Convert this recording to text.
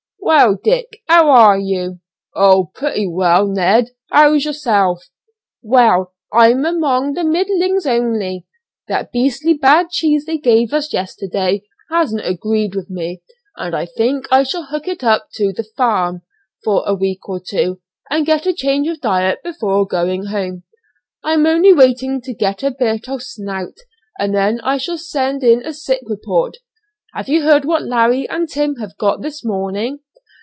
"Well, Dick, how are you?" "Oh! pretty well, Ned, how's yourself?" "Well, I'm among the middlings only. That beastly bad cheese they gave us yesterday hasn't agreed with me, and I think I shall hook it up to the 'farm' for a week or two, and get a change of diet before going home. I am only waiting to get a bit of 'snout,' and then I shall send in a sick report. Have you heard what Larry and Tim have got this morning?